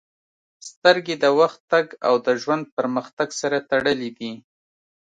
• سترګې د وخت تګ او د ژوند پرمختګ سره تړلې دي.